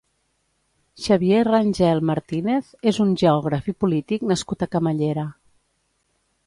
Xavier Rangel Martínez és un geògraf i polític nascut a Camallera.